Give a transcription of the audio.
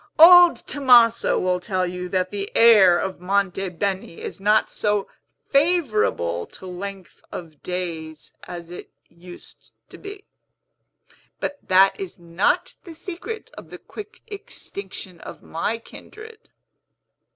Old Tomaso will tell you that the air of Monte Beni is not so favorable to length of days as it used to be. But that is not the secret of the quick extinction of my kindred."